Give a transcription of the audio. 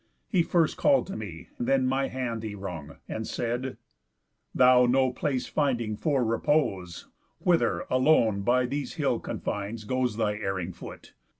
He first call'd to me, then my hand he wrung, And said: 'Thou no place finding for repose, Whither, alone, by these hill confines, goes Thy erring foot?